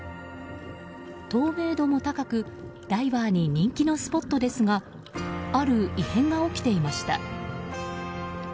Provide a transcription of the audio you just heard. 透明度も高くダイバーに人気のスポットですがある異変が起きていました。